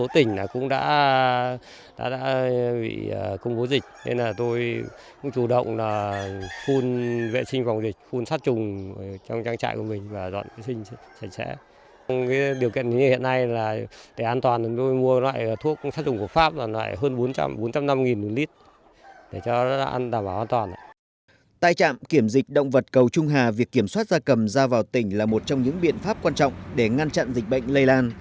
tại trạm kiểm dịch động vật cầu trung hà việc kiểm soát gia cầm ra vào tỉnh là một trong những biện pháp quan trọng để ngăn chặn dịch bệnh lây lan